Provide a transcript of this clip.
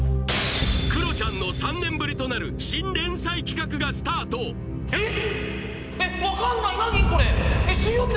クロちゃんの３年ぶりとなる新連載企画がスタートえっ！？